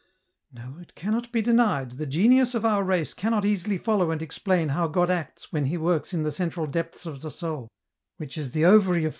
" No, it cannot be denied, the genius of our race cannot easily follow and explain how God acts when He works in the central depths of the soul, which is the ovary of EN ROUTE.